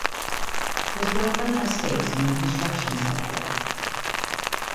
His girlfriend has stakes in the construction sector.